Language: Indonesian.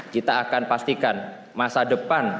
kita akan pastikan masa depan